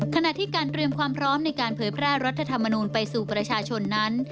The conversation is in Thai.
ขณะที่การเตรียมความพร้อมในการเผยแพร่รัฐธรรมนูลไปสู่ประชาชนนั้น